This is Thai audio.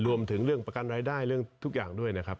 รวมถึงเรื่องประกันรายได้เรื่องทุกอย่างด้วยนะครับ